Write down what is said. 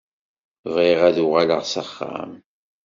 Bɣiɣ ad uɣaleɣ s axxam.